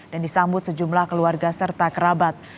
disambut sejumlah keluarga serta kerabat